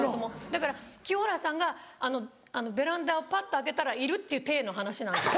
だから清原さんがベランダをパッと開けたらいるっていう体の話なんです。